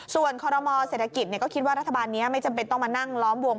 ส่วนคอรมอเศรษฐกิจก็คิดว่ารัฐบาลนี้ไม่จำเป็นต้องมานั่งล้อมวง